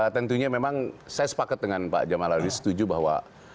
tentunya memang saya sepakat dengan pak jamaladi setuju bahwa